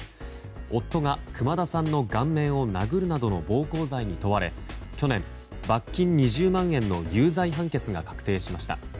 夫が熊田さんの顔面を殴るなどの暴行罪に問われ、去年罰金２０万円の有罪判決が確定しました。